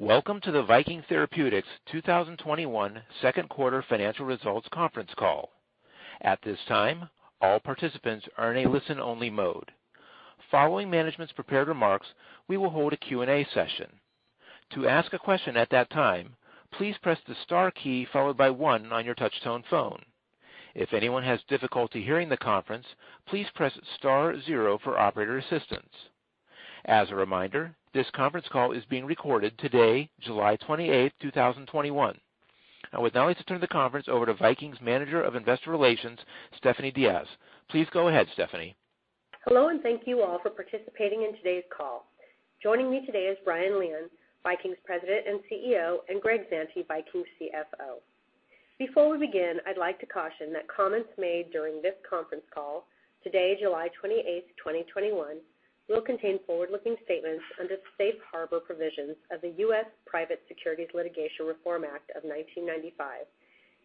Welcome to the Viking Therapeutics 2021 Second Quarter Financial Results Conference Call. At this time, all participants are in a listen-only mode. Following management's prepared remarks, we will hold a Q&A session. To ask a question at that time, please press the star key followed by one on your touchtone phone. If anyone has difficulty hearing the conference, please press star zero for operator assistance. As a reminder, this conference call is being recorded today, July 28th, 2021. I would now like to turn the conference over to Viking's Manager of Investor Relations, Stephanie Diaz. Please go ahead, Stephanie. Hello, and thank you all for participating in today's call. Joining me today is Brian Lian, Viking's President and CEO, and Greg Zante, Viking's CFO. Before we begin, I'd like to caution that comments made during this conference call today, July 28th, 2021, will contain forward-looking statements under the safe harbor provisions of the U.S. Private Securities Litigation Reform Act of 1995,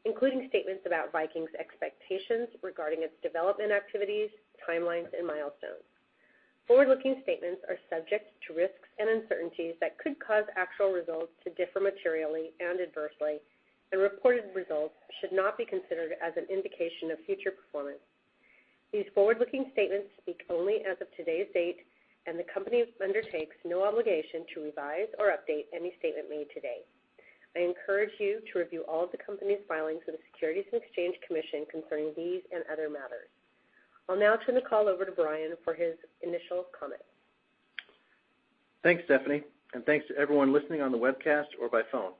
including statements about Viking's expectations regarding its development activities, timelines, and milestones. Forward-looking statements are subject to risks and uncertainties that could cause actual results to differ materially and adversely, and reported results should not be considered as an indication of future performance. These forward-looking statements speak only as of today's date, and the company undertakes no obligation to revise or update any statement made today. I encourage you to review all of the company's filings with the Securities and Exchange Commission concerning these and other matters. I'll now turn the call over to Brian for his initial comments. Thanks, Stephanie, and thanks to everyone listening on the webcast or by phone.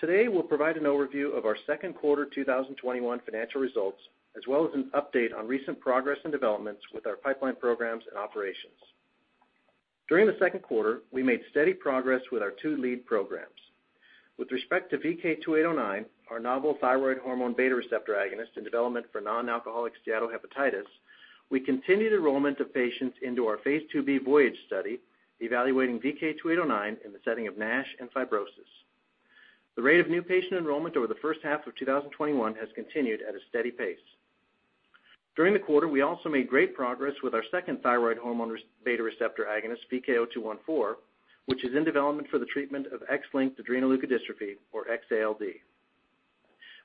Today, we'll provide an overview of our second quarter 2021 financial results, as well as an update on recent progress and developments with our pipeline programs and operations. During the second quarter, we made steady progress with our two lead programs. With respect to VK2809, our novel thyroid hormone beta-receptor agonist in development for non-alcoholic steatohepatitis, we continued enrollment of patients into our Phase 2b VOYAGE study evaluating VK2809 in the setting of NASH and fibrosis. The rate of new patient enrollment over the first half of 2021 has continued at a steady pace. During the quarter, we also made great progress with our second thyroid hormone beta-receptor agonist, VK0214, which is in development for the treatment of X-linked adrenoleukodystrophy, or X-ALD.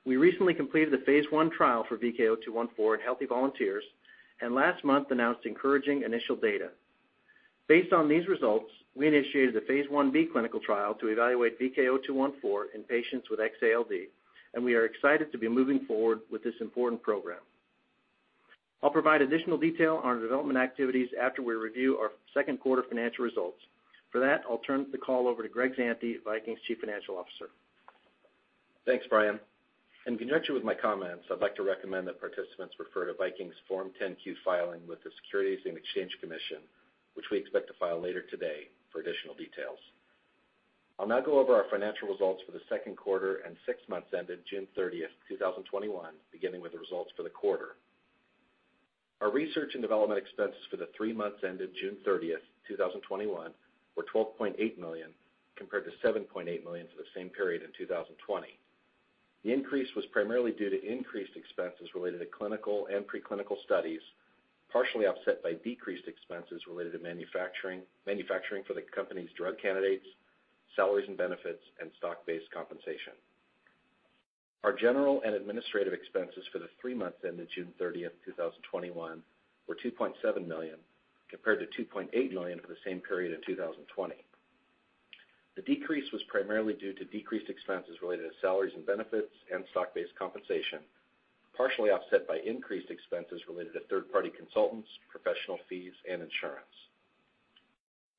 We recently completed the phase I trial for VK0214 in healthy volunteers, and last month announced encouraging initial data. Based on these results, we initiated the phase I-B clinical trial to evaluate VK0214 in patients with X-ALD, and we are excited to be moving forward with this important program. I'll provide additional detail on our development activities after we review our second quarter financial results. For that, I'll turn the call over to Greg Zante, Viking's Chief Financial Officer. Thanks, Brian. In conjunction with my comments, I'd like to recommend that participants refer to Viking's Form 10-Q filing with the Securities and Exchange Commission, which we expect to file later today for additional details. I'll now go over our financial results for the second quarter and six months ended June 30th, 2021, beginning with the results for the quarter. Our research and development expenses for the three months ended June 30th, 2021, were $12.8 million, compared to $7.8 million for the same period in 2020. The increase was primarily due to increased expenses related to clinical and pre-clinical studies, partially offset by decreased expenses related to manufacturing for the company's drug candidates, salaries and benefits, and stock-based compensation. Our general and administrative expenses for the three months ended June 30th, 2021, were $2.7 million, compared to $2.8 million for the same period in 2020. The decrease was primarily due to decreased expenses related to salaries and benefits and stock-based compensation, partially offset by increased expenses related to third-party consultants, professional fees, and insurance.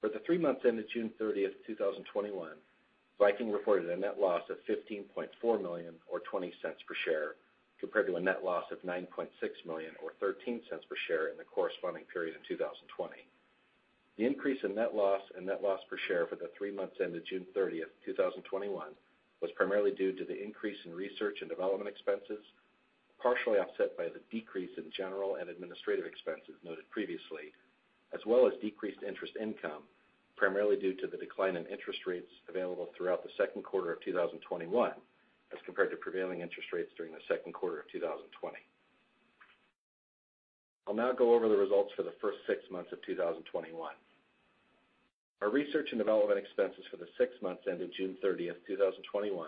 For the three months ended June 30th, 2021, Viking reported a net loss of $15.4 million, or $0.20 per share, compared to a net loss of $9.6 million, or $0.13 per share in the corresponding period in 2020. The increase in net loss and net loss per share for the three months ended June 30th, 2021, was primarily due to the increase in research and development expenses, partially offset by the decrease in general and administrative expenses noted previously, as well as decreased interest income, primarily due to the decline in interest rates available throughout the second quarter of 2021 as compared to prevailing interest rates during the second quarter of 2020. I'll now go over the results for the first six months of 2021. Our research and development expenses for the six months ended June 30th, 2021,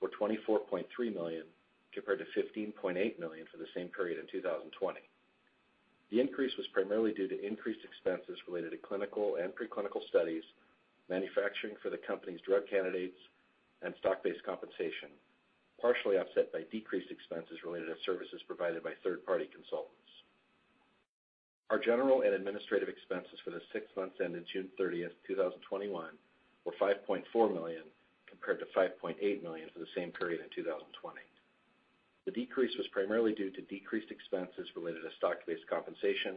were $24.3 million, compared to $15.8 million for the same period in 2020. The increase was primarily due to increased expenses related to clinical and pre-clinical studies, manufacturing for the company's drug candidates, and stock-based compensation, partially offset by decreased expenses related to services provided by third-party consultants. Our general and administrative expenses for the six months ended June 30th, 2021, were $5.4 million, compared to $5.8 million for the same period in 2020. The decrease was primarily due to decreased expenses related to stock-based compensation,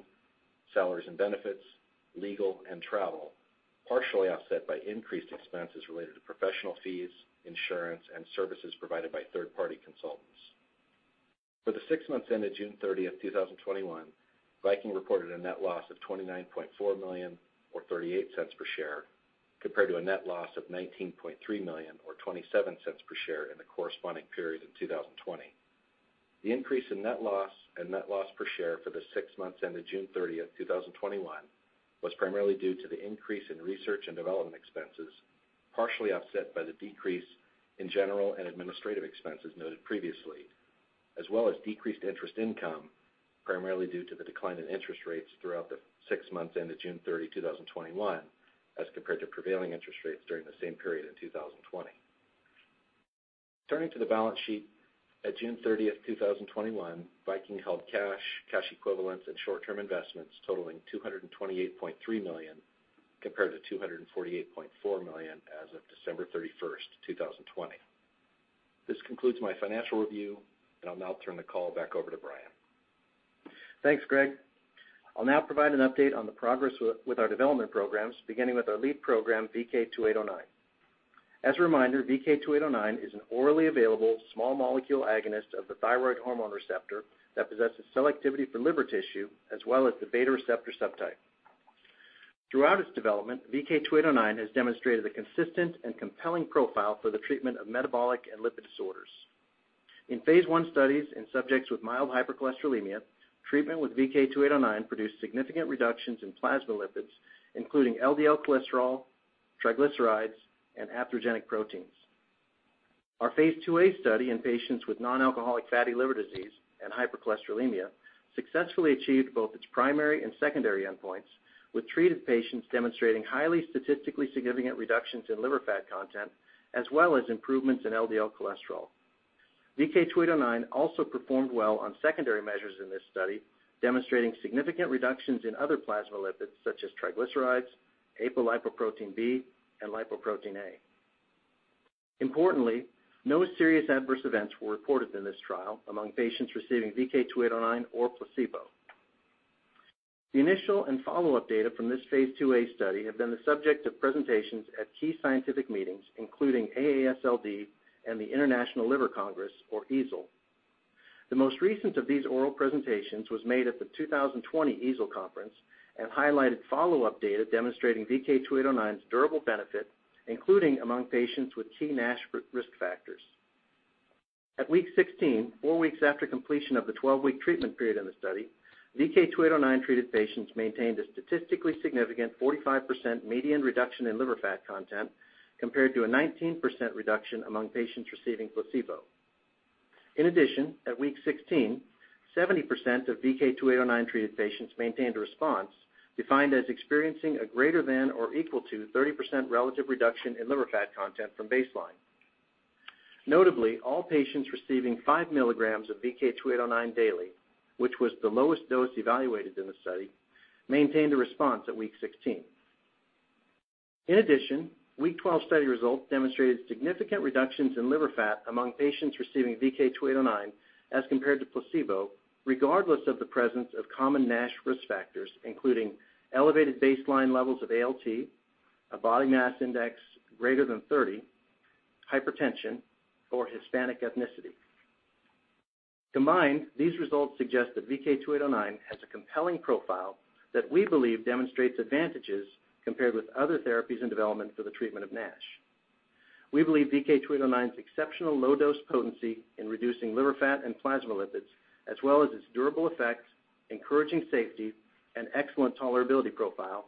salaries and benefits, legal, and travel, partially offset by increased expenses related to professional fees, insurance, and services provided by third-party consultants. For the six months ended June 30th, 2021, Viking reported a net loss of $29.4 million, or $0.38 per share, compared to a net loss of $19.3 million, or $0.27 per share in the corresponding period in 2020. The increase in net loss and net loss per share for the six months ended June 30th, 2021 was primarily due to the increase in research and development expenses, partially offset by the decrease in general and administrative expenses noted previously, as well as decreased interest income, primarily due to the decline in interest rates throughout the six months ended June 30, 2021, as compared to prevailing interest rates during the same period in 2020. Turning to the balance sheet at June 30th, 2021, Viking held cash equivalents, and short-term investments totaling $228.3 million, compared to $248.4 million as of December 31st, 2020. This concludes my financial review, and I'll now turn the call back over to Brian. Thanks, Greg. I'll now provide an update on the progress with our development programs, beginning with our lead program, VK2809. As a reminder, VK2809 is an orally available, small molecule agonist of the thyroid hormone receptor that possesses selectivity for liver tissue, as well as the beta receptor subtype. Throughout its development, VK2809 has demonstrated a consistent and compelling profile for the treatment of metabolic and lipid disorders. In phase I studies in subjects with mild hypercholesterolemia, treatment with VK2809 produced significant reductions in plasma lipids, including LDL cholesterol, triglycerides, and atherogenic proteins. Our phase II-A study in patients with non-alcoholic fatty liver disease and hypercholesterolemia successfully achieved both its primary and secondary endpoints, with treated patients demonstrating highly statistically significant reductions in liver fat content, as well as improvements in LDL cholesterol. VK2809 also performed well on secondary measures in this study, demonstrating significant reductions in other plasma lipids such as triglycerides, apolipoprotein B, and lipoprotein(a). Importantly, no serious adverse events were reported in this trial among patients receiving VK2809 or placebo. The initial and follow-up data from this phase II-A study have been the subject of presentations at key scientific meetings, including AASLD and the International Liver Congress, or EASL. The most recent of these oral presentations was made at the 2020 EASL conference and highlighted follow-up data demonstrating VK2809's durable benefit, including among patients with key NASH risk factors. At week 16, four weeks after completion of the 12-week treatment period in the study, VK2809-treated patients maintained a statistically significant 45% median reduction in liver fat content, compared to a 19% reduction among patients receiving placebo. In addtion, at week 16, 70% of VK2809-treated patients maintained a response defined as experiencing a greater than or equal to 30% relative reduction in liver fat content from baseline. Notably, all patients receiving five milligrams of VK2809 daily, which was the lowest dose evaluated in the study, maintained a response at week 16. In addition, week 12 study results demonstrated significant reductions in liver fat among patients receiving VK2809 as compared to placebo, regardless of the presence of common NASH risk factors, including elevated baseline levels of ALT, a body mass index greater than 30, hypertension, or Hispanic ethnicity. Combined, these results suggest that VK2809 has a compelling profile that we believe demonstrates advantages compared with other therapies in development for the treatment of NASH. We believe VK2809's exceptional low-dose potency in reducing liver fat and plasma lipids, as well as its durable effects, encouraging safety, and excellent tolerability profile,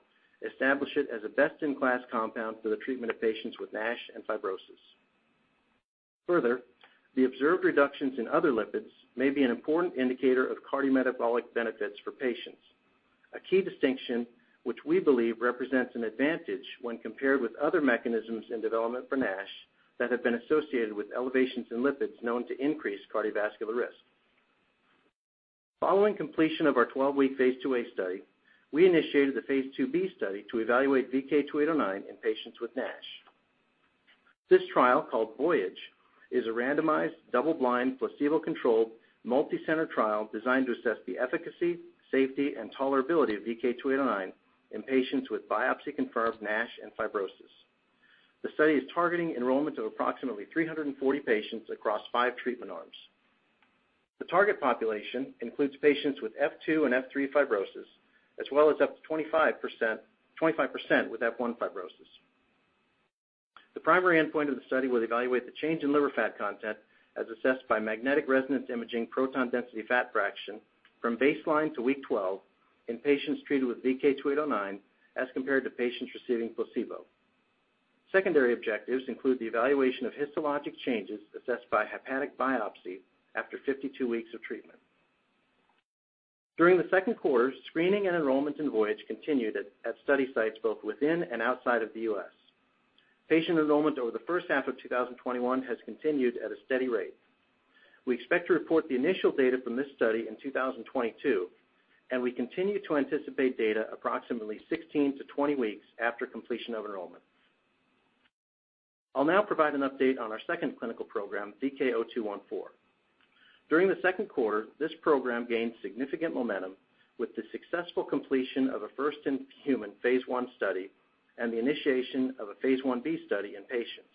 establish it as a best-in-class compound for the treatment of patients with NASH and fibrosis. Further, the observed reductions in other lipids may be an important indicator of cardiometabolic benefits for patients, a key distinction which we believe represents an advantage when compared with other mechanisms in development for NASH that have been associated with elevations in lipids known to increase cardiovascular risk. Following completion of our 12-week phase II-A study, we initiated the phase II-B study to evaluate VK2809 in patients with NASH. This trial, called VOYAGE, is a randomized, double-blind, placebo-controlled, multi-center trial designed to assess the efficacy, safety, and tolerability of VK2809 in patients with biopsy-confirmed NASH and fibrosis. The study is targeting enrollment of approximately 340 patients across five treatment arms. The target population includes patients with F2 and F3 fibrosis, as well as up to 25% with F1 fibrosis. The primary endpoint of the study will evaluate the change in liver fat content as assessed by magnetic resonance imaging proton density fat fraction from baseline to week 12 in patients treated with VK2809 as compared to patients receiving placebo. Secondary objectives include the evaluation of histologic changes assessed by hepatic biopsy after 52 weeks of treatment. During the second quarter, screening and enrollment in VOYAGE continued at study sites both within and outside of the U.S. Patient enrollment over the first half of 2021 has continued at a steady rate. We expect to report the initial data from this study in 2022, and we continue to anticipate data approximately 16-20 weeks after completion of enrollment. I'll now provide an update on our second clinical program, VK0214. During the second quarter, this program gained significant momentum with the successful completion of a first-in-human phase I study and the initiation of a phase I-B study in patients.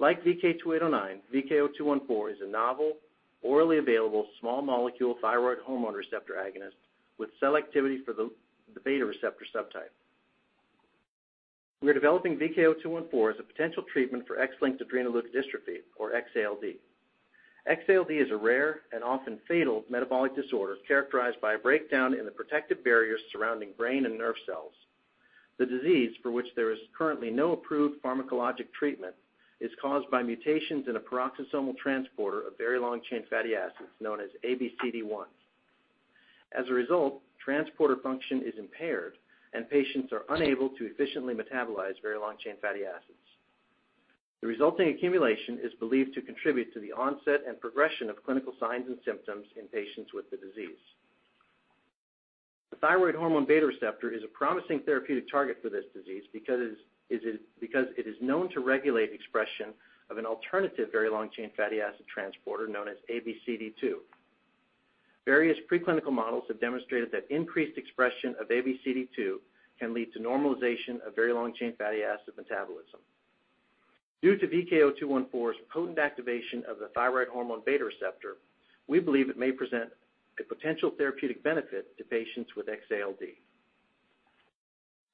Like VK2809, VK0214 is a novel, orally available, small molecule thyroid hormone receptor agonist with selectivity for the beta receptor subtype. We are developing VK0214 as a potential treatment for X-linked adrenoleukodystrophy, or X-ALD. X-ALD is a rare and often fatal metabolic disorder characterized by a breakdown in the protective barriers surrounding brain and nerve cells. The disease, for which there is currently no approved pharmacologic treatment, is caused by mutations in a peroxisomal transporter of very long-chain fatty acids, known as ABCD1. As a result, transporter function is impaired, and patients are unable to efficiently metabolize very long-chain fatty acids. The resulting accumulation is believed to contribute to the onset and progression of clinical signs and symptoms in patients with the disease. The thyroid hormone beta-receptor is a promising therapeutic target for this disease because it is known to regulate expression of an alternative very long-chain fatty acid transporter, known as ABCD2. Various preclinical models have demonstrated that increased expression of ABCD2 can lead to normalization of very long-chain fatty acid metabolism. Due to VK0214's potent activation of the thyroid hormone beta-receptor, we believe it may present a potential therapeutic benefit to patients with X-ALD.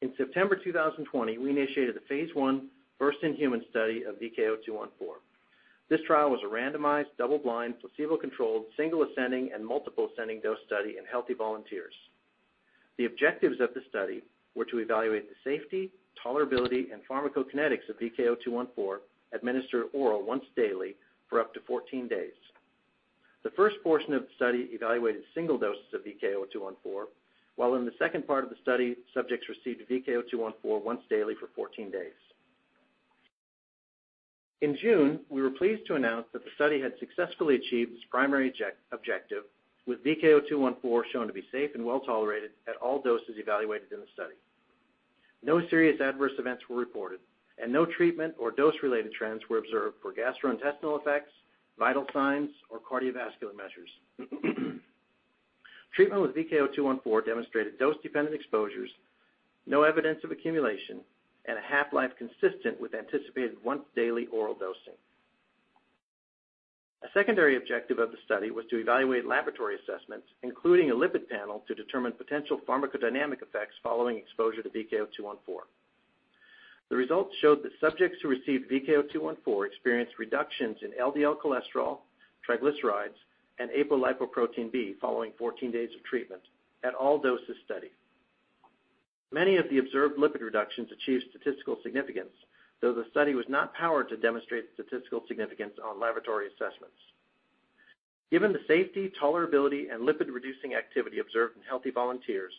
In September 2020, we initiated the phase I first-in-human study of VK0214. This trial was a randomized, double-blind, placebo-controlled, single-ascending, and multiple-ascending dose study in healthy volunteers. The objectives of the study were to evaluate the safety, tolerability, and pharmacokinetics of VK0214, administered oral once daily for up to 14 days. The first portion of the study evaluated single doses of VK0214, while in the second part of the study, subjects received VK0214 once daily for 14 days. In June, we were pleased to announce that the study had successfully achieved its primary objective, with VK0214 shown to be safe and well-tolerated at all doses evaluated in the study. No serious adverse events were reported, and no treatment- or dose-related trends were observed for gastrointestinal effects, vital signs, or cardiovascular measures. Treatment with VK0214 demonstrated dose-dependent exposures, no evidence of accumulation, and a half-life consistent with anticipated once-daily oral dosing. A secondary objective of the study was to evaluate laboratory assessments, including a lipid panel to determine potential pharmacodynamic effects following exposure to VK0214. The results showed that subjects who received VK0214 experienced reductions in LDL cholesterol, triglycerides, and apolipoprotein B following 14 days of treatment at all doses studied. Many of the observed lipid reductions achieved statistical significance, though the study was not powered to demonstrate statistical significance on laboratory assessments. Given the safety, tolerability, and lipid-reducing activity observed in healthy volunteers,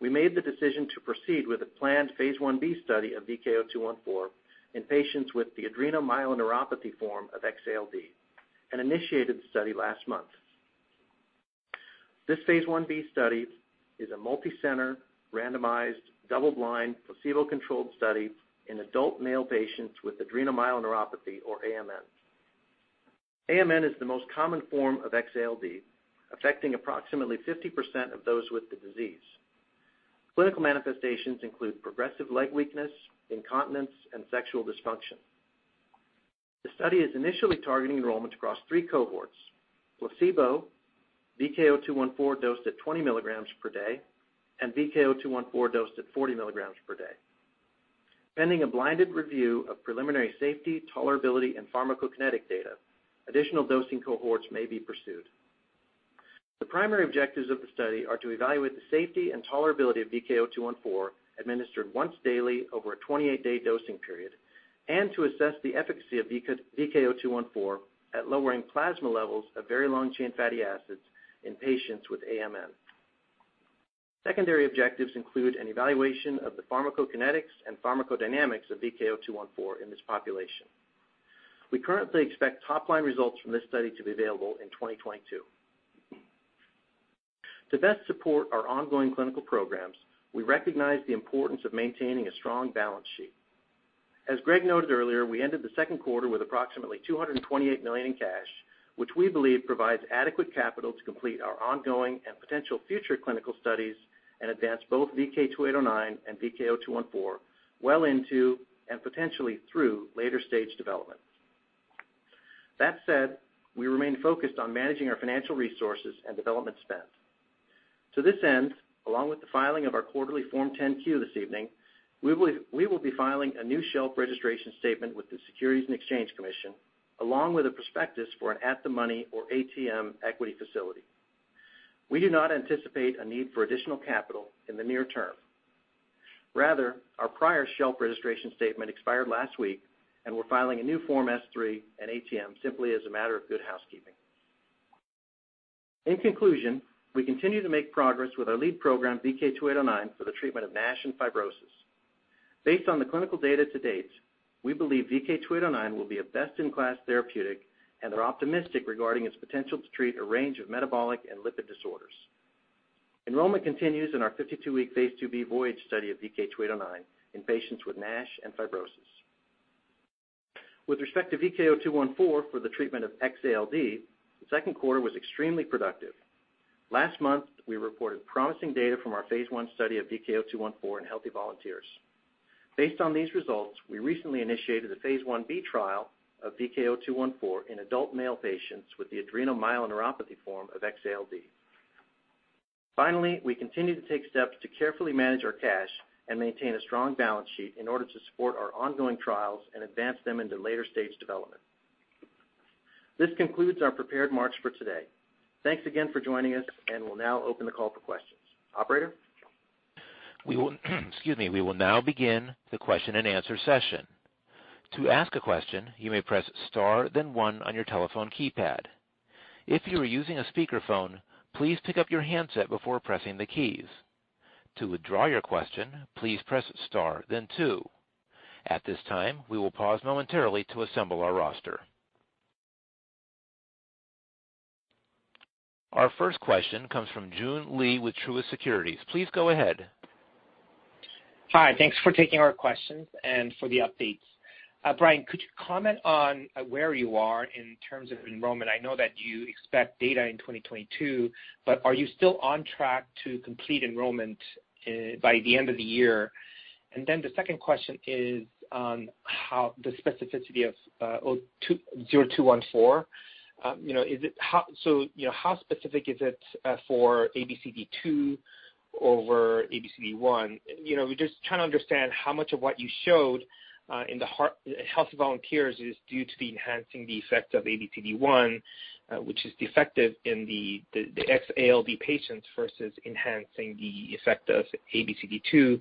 we made the decision to proceed with a planned phase I-B study of VK0214 in patients with the adrenomyeloneuropathy form of X-ALD and initiated the study last month. This phase I-B study is a multicenter, randomized, double-blind, placebo-controlled study in adult male patients with adrenomyeloneuropathy, or AMN. AMN is the most common form of X-ALD, affecting approximately 50% of those with the disease. Clinical manifestations include progressive leg weakness, incontinence, and sexual dysfunction. The study is initially targeting enrollment across three cohorts; placebo, VK0214 dosed at 20 mg per day, and VK0214 dosed at 40 mg per day. Pending a blinded review of preliminary safety, tolerability, and pharmacokinetic data, additional dosing cohorts may be pursued. The primary objectives of the study are to evaluate the safety and tolerability of VK0214 administered once daily over a 28-day dosing period, and to assess the efficacy of VK0214 at lowering plasma levels of very long-chain fatty acids in patients with AMN. Secondary objectives include an evaluation of the pharmacokinetics and pharmacodynamics of VK0214 in this population. We currently expect top-line results from this study to be available in 2022. To best support our ongoing clinical programs, we recognize the importance of maintaining a strong balance sheet. As Greg noted earlier, we ended the second quarter with approximately $228 million in cash, which we believe provides adequate capital to complete our ongoing and potential future clinical studies and advance both VK2809 and VK0214 well into and potentially through later-stage development. That said, we remain focused on managing our financial resources and development spend. To this end, along with the filing of our quarterly Form 10-Q this evening, we will be filing a new shelf registration statement with the Securities and Exchange Commission, along with a prospectus for an at-the-money, or ATM, equity facility. We do not anticipate a need for additional capital in the near term. Rather, our prior shelf registration statement expired last week, and we're filing a new Form S-3 and ATM simply as a matter of good housekeeping. In conclusion, we continue to make progress with our lead program, VK2809, for the treatment of NASH and fibrosis. Based on the clinical data to date, we believe VK2809 will be a best-in-class therapeutic and are optimistic regarding its potential to treat a range of metabolic and lipid disorders. Enrollment continues in our 52-week Phase 2b VOYAGE study of VK2809 in patients with NASH and fibrosis. With respect to VK0214 for the treatment of X-ALD, the second quarter was extremely productive. Last month, we reported promising data from our phase I study of VK0214 in healthy volunteers. Based on these results, we recently initiated a phase I-B trial of VK0214 in adult male patients with the adrenomyeloneuropathy form of X-ALD. Finally, we continue to take steps to carefully manage our cash and maintain a strong balance sheet in order to support our ongoing trials and advance them into later-stage development. This concludes our prepared remarks for today. Thanks again for joining us, and we'll now open the call for questions. Operator? We- Excuse me. We will now begin the question-and-answer session. To ask a question, you may press star then one on your telephone keypad. If you are using a speakerphone, please pick up your handset before pressing the keys. To withdraw your question, please press star then two. At this time, we will pause momentarily to assemble our roster. Our first question comes from Joon Lee with Truist Securities. Please go ahead. Hi. Thanks for taking our questions and for the updates. Brian, could you comment on where you are in terms of enrollment? I know that you expect data in 2022. Are you still on track to complete enrollment by the end of the year? And then the second question is on the specificity of VK0214. How specific is it for ABCD2 over ABCD1? We're just trying to understand how much of what you showed in the healthy volunteers is due to the enhancing the effect of ABCD1, which is defective in the X-ALD patients versus enhancing the effect of ABCD2,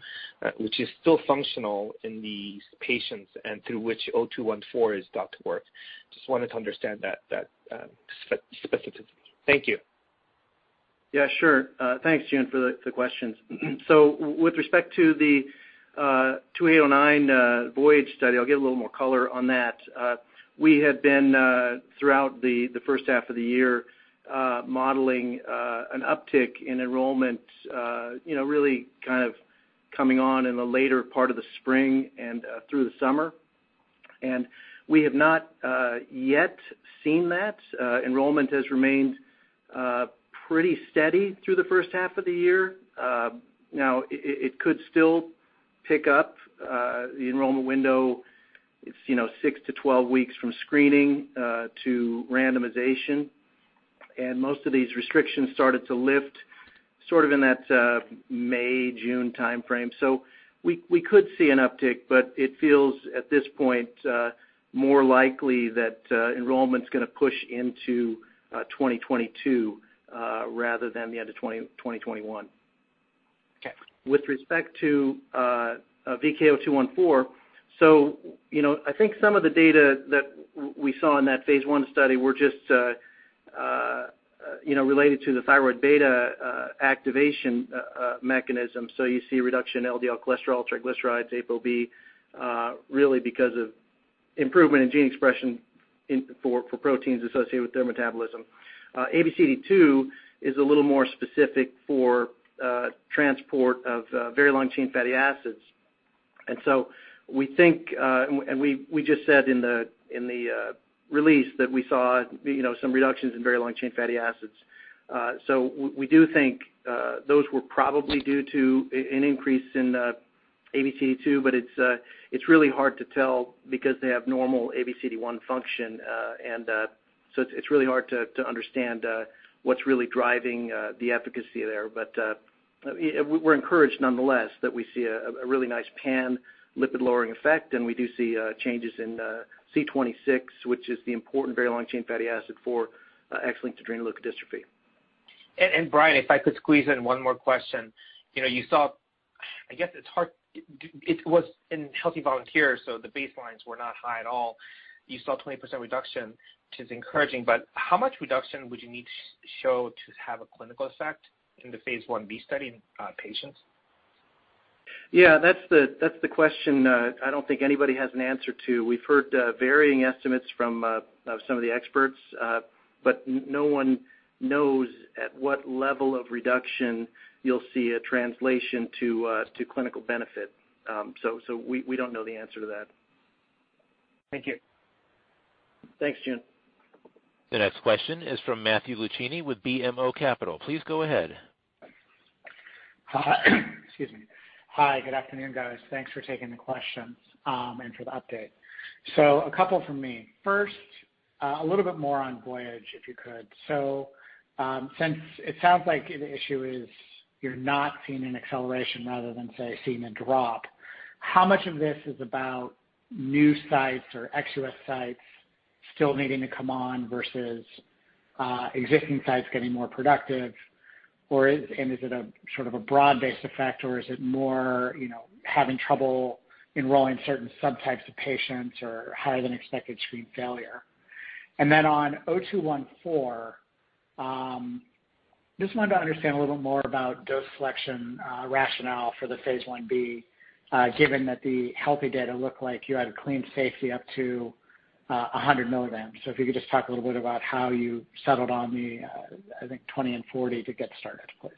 which is still functional in these patients and through which VK0214 is thought to work. Just wanted to understand that specificity. Thank you. Yeah, sure. Thanks, Joon, for the questions. With respect to the 2809 VOYAGE study, I'll give a little more color on that. We had been throughout the first half of the year modeling an uptick in enrollment, really coming on in the later part of the spring and through the summer. And we have not yet seen that. Enrollment has remained pretty steady through the first half of the year. Now, it could still pick up. The enrollment window, it's 6-12 weeks from screening to randomization. Most of these restrictions started to lift sort of in that May, June timeframe. We could see an uptick, but it feels, at this point, more likely that enrollment's going to push into 2022 rather than the end of 2021. Okay. With respect to VK0214, I think some of the data that we saw in that phase I study were just related to the thyroid beta activation mechanism. You see a reduction in LDL cholesterol, triglycerides, ApoB really because of improvement in gene expression for proteins associated with sterol metabolism. ABCD2 is a little more specific for transport of very long-chain fatty acids. We just said in the release that we saw some reductions in very long-chain fatty acids. We do think those were probably due to an increase in ABCD2, but it's really hard to tell because they have normal ABCD1 function. It's really hard to understand what's really driving the efficacy there. But we're encouraged nonetheless that we see a really nice pan lipid-lowering effect, and we do see changes in C26, which is the important very long-chain fatty acid for X-linked adrenoleukodystrophy. Brian, if I could squeeze in one more question? It was in healthy volunteers, so the baselines were not high at all. You saw a 20% reduction, which is encouraging, but how much reduction would you need to show to have a clinical effect in the phase I-B study in patients? Yeah, that's the question I don't think anybody has an answer to. We've heard varying estimates from some of the experts, but no one knows at what level of reduction you'll see a translation to clinical benefit. We don't know the answer to that. Thank you. Thanks, Joon. The next question is from Matthew Luchini with BMO Capital Markets. Please go ahead. Excuse me. Hi. Good afternoon, guys. Thanks for taking the questions and for the update. A couple from me. First, a little bit more on VOYAGE, if you could. Since it sounds like the issue is you're not seeing an acceleration rather than, say, seeing a drop, how much of this is about new sites or ex-U.S. sites still needing to come on versus existing sites getting more productive? Is it a sort of a broad-based effect, or is it more having trouble enrolling certain subtypes of patients or higher-than-expected screen failure? And then on VK0214, just wanted to understand a little more about dose selection rationale for the phase I-B, given that the healthy data looked like you had a clean safety up to 100 mg. If you could just talk a little bit about how you settled on the, I think, 20 and 40 to get started, please.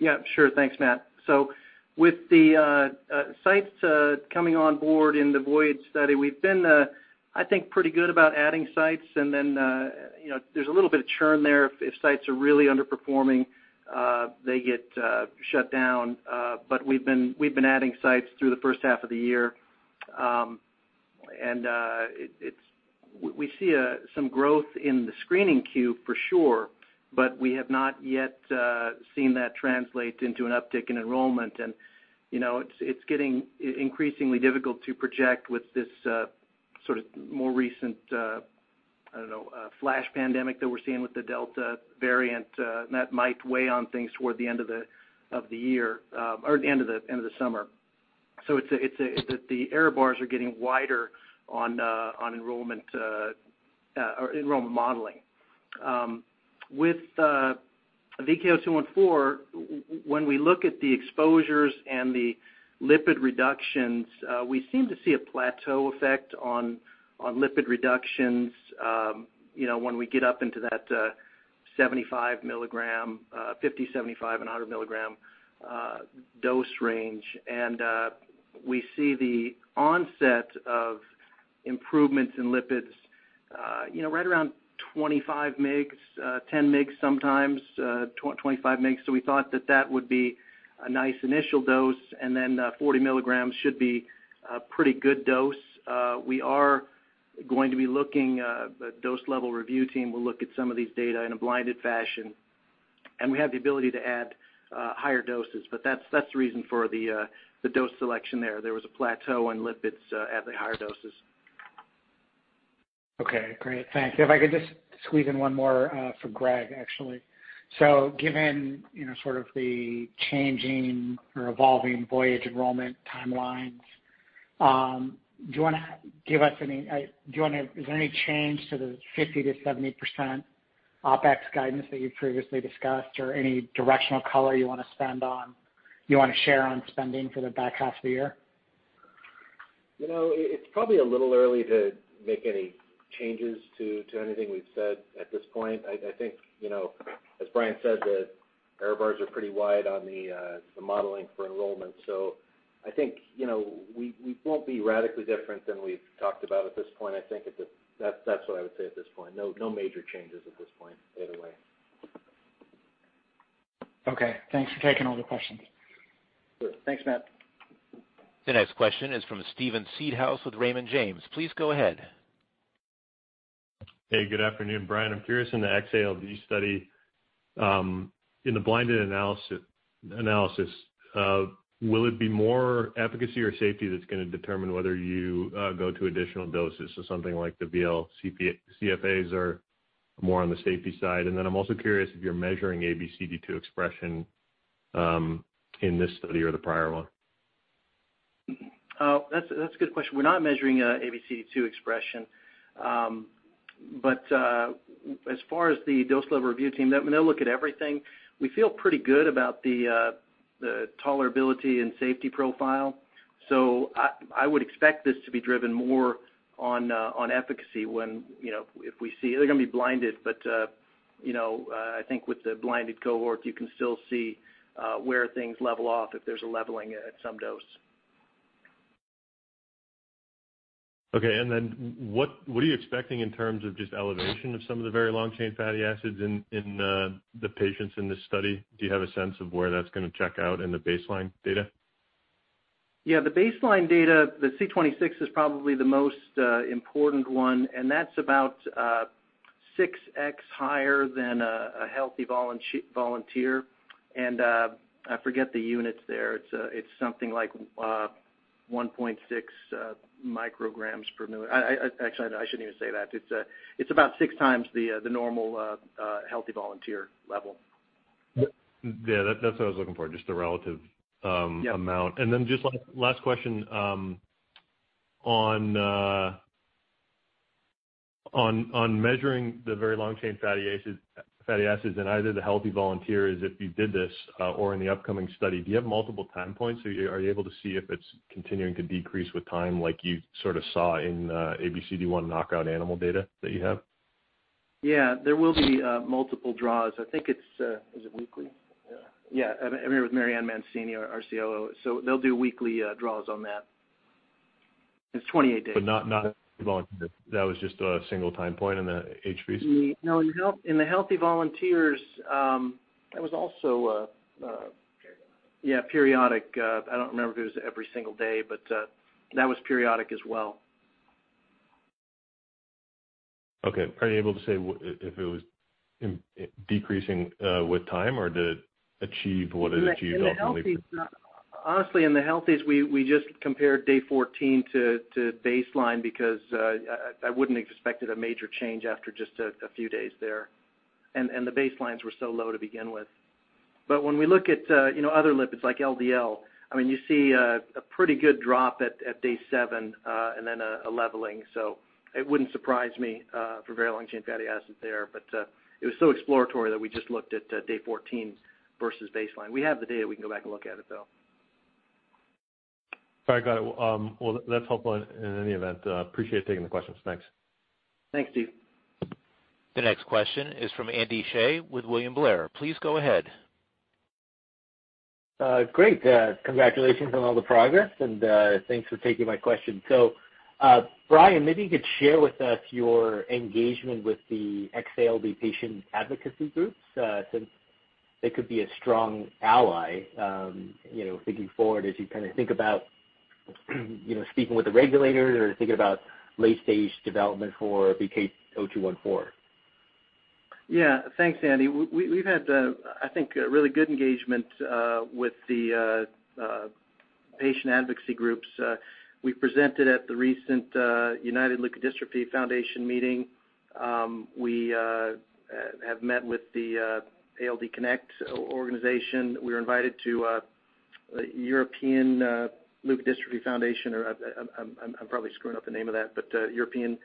Yeah, sure. Thanks, Matt. With the sites coming on board in the VOYAGE study, we've been, I think, pretty good about adding sites, and then there's a little bit of churn there. If sites are really underperforming, they get shut down. We've been adding sites through the first half of the year. We see some growth in the screening queue for sure, but we have not yet seen that translate into an uptick in enrollment. It's getting increasingly difficult to project with this more recent, I don't know, flash pandemic that we're seeing with the Delta variant. That might weigh on things toward the end of the year or the end of the summer. It's that the error bars are getting wider on enrollment modeling. With VK0214, when we look at the exposures and the lipid reductions, we seem to see a plateau effect on lipid reductions when we get up into that 75 mg, 50 mg, 75 mg, and 100 mg dose range. We see the onset of improvements in lipids right around 25 mg, 10 mg sometimes, 25 mg. We thought that that would be a nice initial dose, then 40 mg should be a pretty good dose. We are going to be looking, a dose level review team will look at some of these data in a blinded fashion, and we have the ability to add higher doses. That's the reason for the dose selection there. There was a plateau on lipids at the higher doses. Okay, great. Thanks. If I could just squeeze in one more for Greg, actually. Given the changing or evolving VOYAGE enrollment timelines, is there any change to the 50%-70% OpEx guidance that you previously discussed or any directional color you want to share on spending for the back half of the year? You know, it's probably a little early to make any changes to anything we've said at this point. I think as Brian said, the error bars are pretty wide on the modeling for enrollment. I think we won't be radically different than we've talked about at this point. I think that's what I would say at this point. No major changes at this point either way. Okay. Thanks for taking all the questions. Sure. Thanks, Matt. The next question is from Steven Seedhouse with Raymond James. Please go ahead. Hey, good afternoon. Brian, I'm curious, in the X-ALD study, in the blinded analysis, will it be more efficacy or safety that's going to determine whether you go to additional doses? Something like the VLCFAs are more on the safety side. I'm also curious if you're measuring ABCD2 expression in this study or the prior one. That's a good question. We're not measuring ABCD2 expression. But, as far as the dose level review team, they'll look at everything. We feel pretty good about the tolerability and safety profile. I would expect this to be driven more on efficacy when, you know, if we see they're going to be blinded, but I think with the blinded cohort, you can still see where things level off if there's a leveling at some dose. Okay. And then, what are you expecting in terms of just elevation of some of the very long-chain fatty acids in the patients in this study? Do you have a sense of where that's going to check out in the baseline data? Yeah. The baseline data, the C26 is probably the most important one. That's about 6x higher than a healthy volunteer. I forget the units there. It's something like 1.6 micrograms per mil. Actually, I shouldn't even say that. It's about 6x the normal healthy volunteer level. Yeah, that's what I was looking for, just the relative amount. Yeah. Just last question on measuring the very long-chain fatty acids in either the healthy volunteers, if you did this or in the upcoming study. Do you have multiple time points? Are you able to see if it's continuing to decrease with time like you sort of saw in ABCD1 knockout animal data that you have? Yeah. There will be multiple draws. I think it's weekly? Yeah. I mean, with Marianne Mancini, our COO. They'll do weekly draws on that. It's 28 days. Not volunteers. That was just a single time point in the HVs? No. In the healthy volunteers. There was also... Periodic. Yeah. Periodic. I don't remember if it was every single day, but that was periodic as well. Okay. Are you able to say if it was decreasing with time or did it achieve what it achieved ultimately? Honestly, in the healthies, we just compared day 14 to baseline because I wouldn't have expected a major change after just a few days there. The baselines were so low to begin with. When we look at other lipids, like LDL, you see a pretty good drop at day seven and then a leveling. It wouldn't surprise me for very long-chain fatty acids there. It was so exploratory that we just looked at day 14 versus baseline. We have the data. We can go back and look at it, though. All right. Got it. Well, that's helpful in any event. Appreciate taking the questions. Thanks. Thanks, Steve. The next question is from Andy Hsieh with William Blair. Please go ahead. Great. Congratulations on all the progress and thanks for taking my question. Brian, maybe you could share with us your engagement with the X-ALD patient advocacy groups since they could be a strong ally, thinking forward as you think about speaking with the regulators or thinking about late-stage development for VK0214. Yeah. Thanks, Andy. We've had, I think, a really good engagement with the patient advocacy groups. We presented at the recent United Leukodystrophy Foundation meeting. We have met with the ALD Connect organization. We were invited to European Leukodystrophy Foundation, or I'm probably screwing up the name of that, but European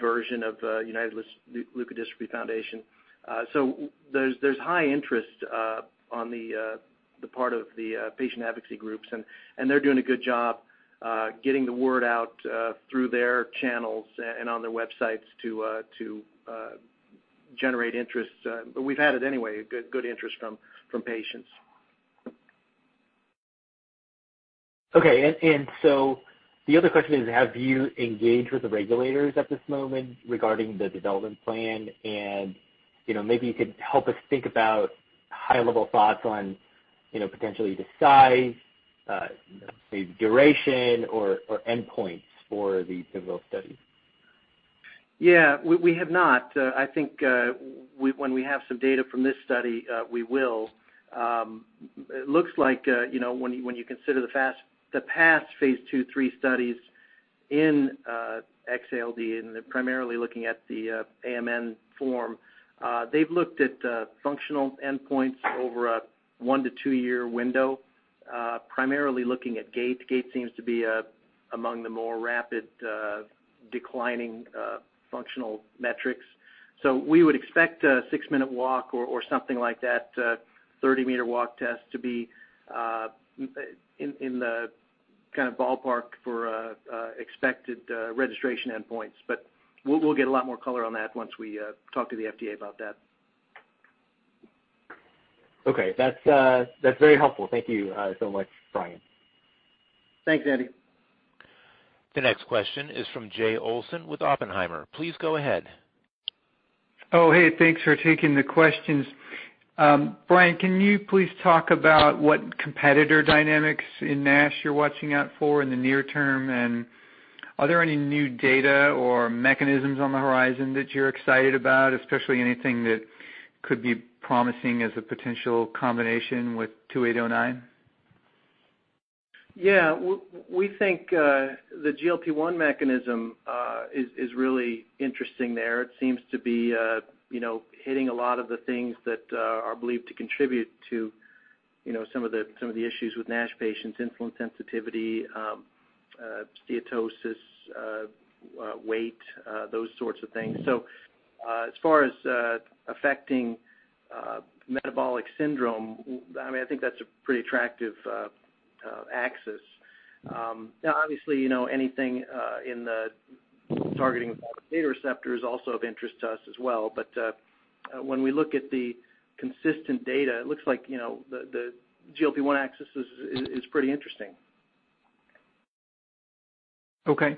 version of United Leukodystrophy Foundation. There's high interest on the part of the patient advocacy groups, and they're doing a good job getting the word out through their channels and on their websites to generate interest. We've had it anyway, good interest from patients. Okay. The other question is, have you engaged with the regulators at this moment regarding the development plan? Maybe you could help us think about high-level thoughts on potentially the size, maybe the duration, or endpoints for the pivotal study. Yeah. We have not. I think when we have some data from this study, we will. It looks like when you consider the past phase II, III studies in X-ALD, and they're primarily looking at the AMN form, they've looked at functional endpoints over a one to two-year window, primarily looking at gait. Gait seems to be among the more rapid declining functional metrics. We would expect a six-minute walk or something like that, 30-meter walk test to be in the kind of ballpark for expected registration endpoints. We'll get a lot more color on that once we talk to the FDA about that. Okay. That's very helpful. Thank you so much, Brian. Thanks, Andy. The next question is from Jay Olson with Oppenheimer. Please go ahead. Hey, thanks for taking the questions. Brian, can you please talk about what competitor dynamics in NASH you're watching out for in the near term? Are there any new data or mechanisms on the horizon that you're excited about, especially anything that could be promising as a potential combination with 2809? Yeah. We think the GLP-1 mechanism is really interesting there. It seems to be hitting a lot of the things that are believed to contribute to some of the issues with NASH patients, insulin sensitivity, steatosis, weight, those sorts of things. As far as affecting metabolic syndrome, I think that's a pretty attractive axis. Now, obviously, anything in the targeting of the receptor is also of interest to us as well. When we look at the consistent data, it looks like the GLP-1 axis is pretty interesting. Okay.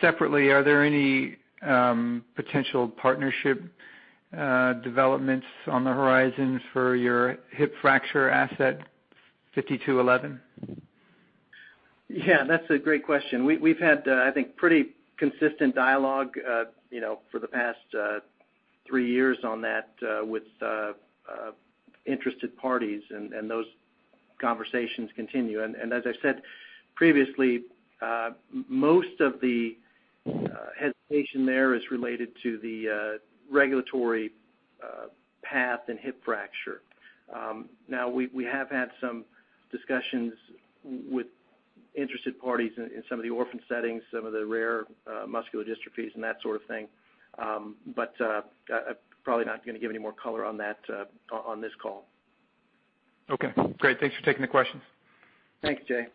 Separately, are there any potential partnership developments on the horizon for your hip fracture asset, VK5211? Yeah, that's a great question. We've had, I think, pretty consistent dialogue for the past three years on that with interested parties. Those conversations continue. As I said previously, most of the hesitation there is related to the regulatory path in hip fracture. Now, we have had some discussions with interested parties in some of the orphan settings, some of the rare muscular dystrophies, and that sort of thing. I'm probably not going to give any more color on that on this call. Okay, great. Thanks for taking the questions. Thanks, Jay.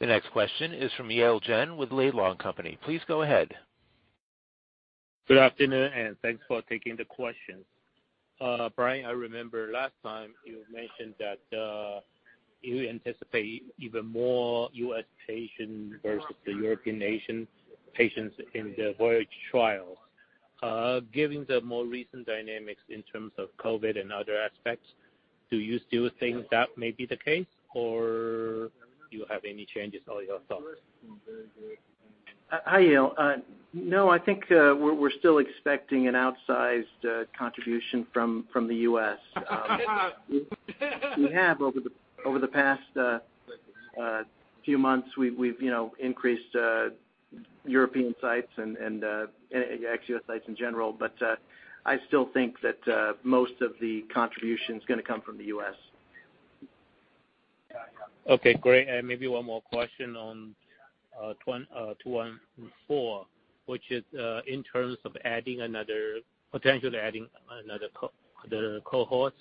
The next question is from Yale Jen with Laidlaw & Company. Please go ahead. Good afternoon, and thanks for taking the questions. Brian, I remember last time you mentioned that you anticipate even more U.S. patients versus the European nation patients in the VOYAGE trials. Given the more recent dynamics in terms of COVID and other aspects, do you still think that may be the case, or do you have any changes on your thoughts? Hi, Yale. No, I think we're still expecting an outsized contribution from the U.S. We have over the past few months, we've increased European sites and ex-U.S. sites in general. But I still think that most of the contribution's going to come from the U.S. Okay, great. Maybe one more question on 214, which is in terms of adding another, potentially adding another cohort.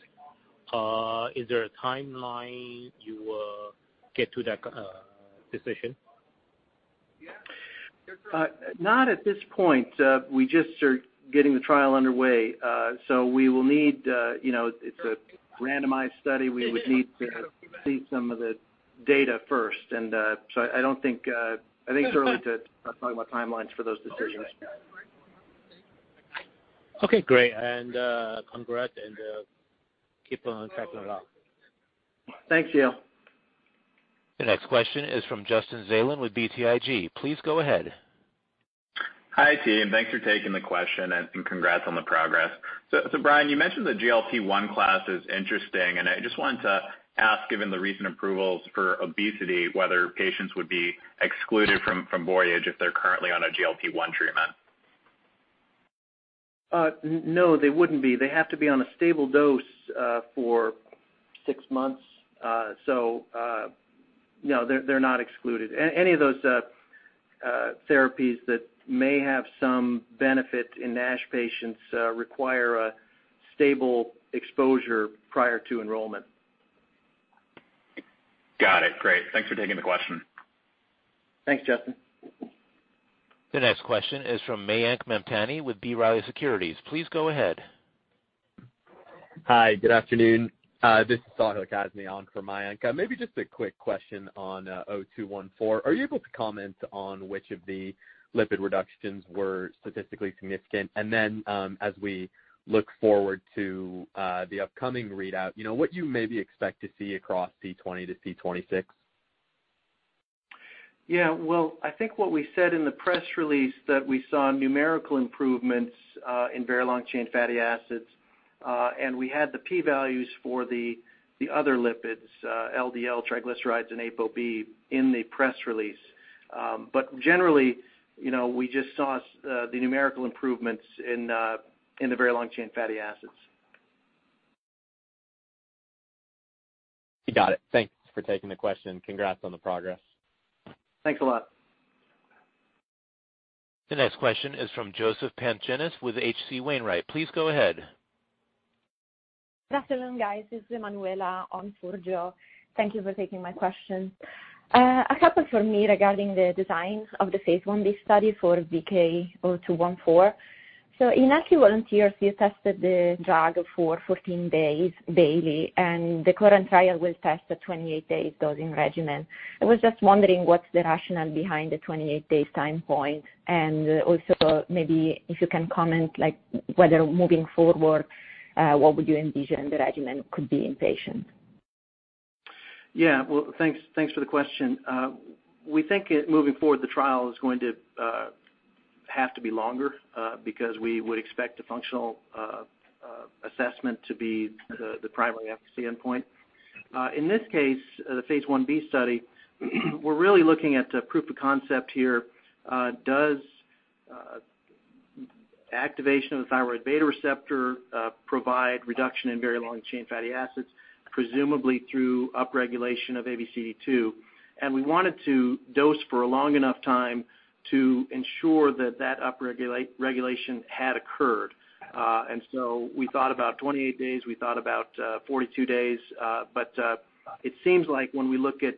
Is there a timeline you will get to that decision? Not at this point. We just are getting the trial underway. We will need, you know, it's a randomized study. We would need to see some of the data first. I think it's early to talk about timelines for those decisions. Okay, great. Congrats, and keep on trucking along. Thanks, Yale. The next question is from Justin Zelin with BTIG. Please go ahead. Hi, team. Thanks for taking the question and congrats on the progress. Brian, you mentioned the GLP-1 class is interesting, and I just wanted to ask, given the recent approvals for obesity, whether patients would be excluded from VOYAGE if they're currently on a GLP-1 treatment. No, they wouldn't be. They have to be on a stable dose for six months. No, they're not excluded. Any of those therapies that may have some benefit in NASH patients require a stable exposure prior to enrollment. Got it. Great. Thanks for taking the question. Thanks, Justin. The next question is from Mayank Mamtani with B. Riley Securities. Please go ahead. Hi, good afternoon. This is Sahil Kazmi on for Mayank. Maybe just a quick question on 0214. Are you able to comment on which of the lipid reductions were statistically significant? As we look forward to the upcoming readout, what you maybe expect to see across C20 to C26? Yeah. Well, I think what we said in the press release, that we saw numerical improvements in very long-chain fatty acids. We had the p-values for the other lipids, LDL, triglycerides, and ApoB, in the press release. But generally, we just saw the numerical improvements in the very long-chain fatty acids. Got it. Thanks for taking the question. Congrats on the progress. Thanks a lot. The next question is from Joseph Pantginis with H.C. Wainwright. Please go ahead. Good afternoon, guys. This is Emanuela on for Joseph. Thank you for taking my question. A couple for me regarding the designs of the phase I-B study for VK0214. In healthy volunteers, you tested the drug for 14 days daily, and the current trial will test a 28-day dosing regimen. I was just wondering what's the rationale behind the 28-day time point, and also maybe if you can comment, whether moving forward, what would you envision the regimen could be in patients? Well, thanks for the question. We think moving forward, the trial is going to have to be longer, because we would expect a functional assessment to be the primary efficacy endpoint. In this case, the phase I-B study, we're really looking at the proof of concept here. Does activation of the thyroid beta receptor provide reduction in very long-chain fatty acids, presumably through upregulation of ABCD2? We wanted to dose for a long enough time to ensure that that upregulation had occurred. We thought about 28 days, we thought about 42 days. It seems like when we look at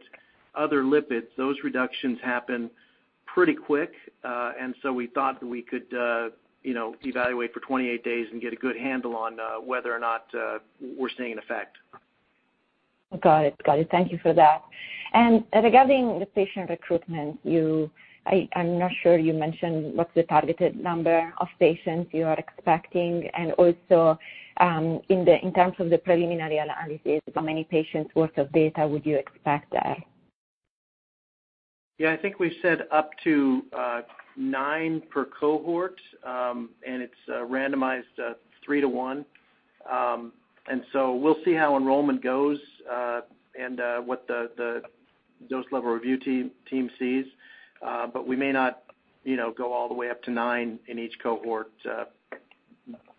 other lipids, those reductions happen pretty quick. We thought that we could evaluate for 28 days and get a good handle on whether or not we're seeing an effect. Got it, got it. Thank you for that. Regarding the patient recruitment, I'm not sure you mentioned what's the targeted number of patients you are expecting, and also in terms of the preliminary analysis, how many patients worth of data would you expect there? Yeah, I think we said up to nine per cohort. It's randomized 3:1. We'll see how enrollment goes, and what the dose level review team sees. But we may not go all the way up to nine in each cohort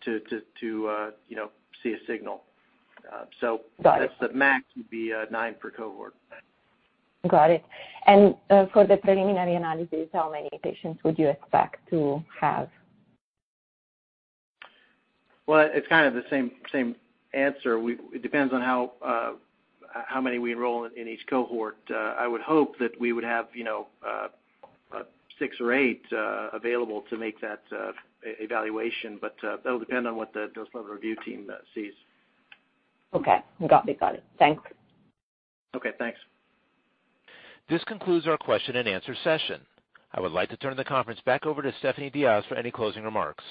to see a signal. Got it. I'd say max would be nine per cohort. Got it. And for the preliminary analysis, how many patients would you expect to have? Well, it's kind of the same answer. It depends on how many we enroll in each cohort. I would hope that we would have six or eight available to make that evaluation. That'll depend on what the dose level review team sees. Okay. Copy that. Thanks. Okay, thanks. This concludes our question-and-answer session. I would like to turn the conference back over to Stephanie Diaz for any closing remarks.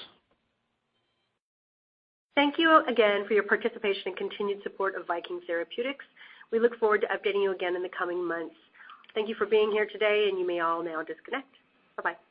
Thank you again for your participation and continued support of Viking Therapeutics. We look forward to updating you again in the coming months. Thank you for being here today, and you may all now disconnect. Bye-bye.